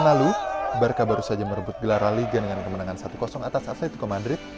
bulan lalu barca baru saja merebut gelar liga dengan kemenangan satu atas atletico madrid